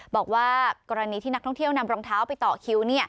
บอกว่ากรณีที่นักท่องเที่ยวนำรองเท้าไปต่อคิว